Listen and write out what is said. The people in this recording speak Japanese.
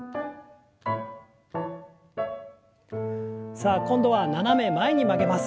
さあ今度は斜め前に曲げます。